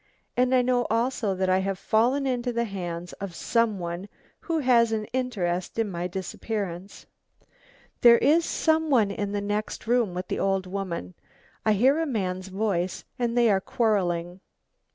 And I know also that I have fallen into the hands of some one who has an interest in my disappearance. "There is some one in the next room with the old woman. I hear a man's voice and they are quarrelling.